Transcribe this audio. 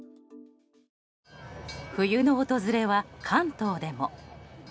冬の訪れは関東でも。